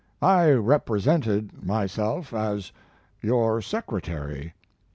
"I represented myself as your secretary.